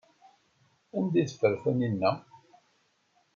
Anda ay teffer Taninna?